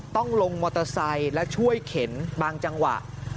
ต้องลงมอเตอร์ไซค์และช่วยเข็นบางจังหวะ